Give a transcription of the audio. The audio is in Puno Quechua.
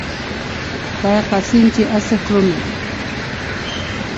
Payqa sinchi asiq runa.